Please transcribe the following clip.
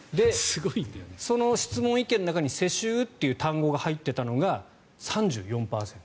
その質問、意見の中に世襲という単語が入っていたのが３４％。